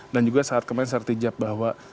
dan juga saat kemarin saya terhijab bahwa